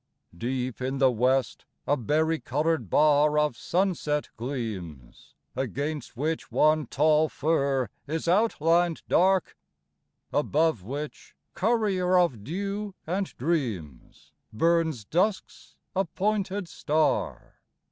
Deep in the West a berry coloured bar Of sunset gleams; against which one tall fir Is outlined dark; above which courier Of dew and dreams burns dusk's appointed star.